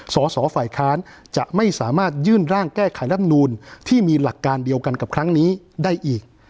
สอสอฝ่ายค้านจะไม่สามารถยื่นร่างแก้ไขรับนูลที่มีหลักการเดียวกันกับครั้งนี้ได้อีก